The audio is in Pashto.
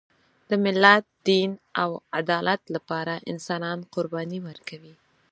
د ملت، دین او عدالت لپاره انسانان قرباني ورکوي.